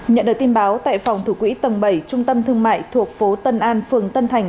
nhận được tin báo tại phòng thủ quỹ tầng bảy trung tâm thương mại thuộc phố tân an phường tân thành